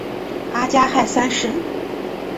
阿加汗三世。